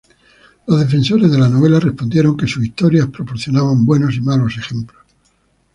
Los defensores de la "novela" respondieron que sus historias proporcionaban buenos y malos ejemplos.